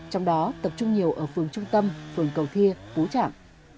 trong đó tập trung nhiều ở phường trung tâm phường cầu thia phú chạm